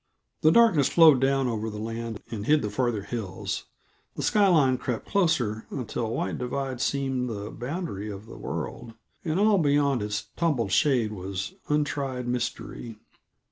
The darkness flowed down over the land and hid the farther hills; the sky line crept closer until White Divide seemed the boundary of the world, and all beyond its tumbled shade was untried mystery.